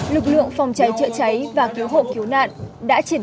lực lượng phòng cháy trợ cháy và cứu hậu cứu nạn